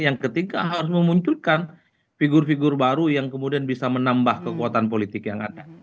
yang ketiga harus memunculkan figur figur baru yang kemudian bisa menambah kekuatan politik yang ada